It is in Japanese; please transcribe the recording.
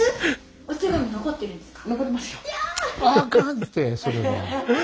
お手紙残ってるんですか？